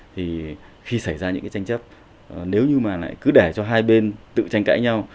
thì khi xảy ra những cái tranh chấp nếu như mà lại cứ để cho hai bên tự tranh cãi nhau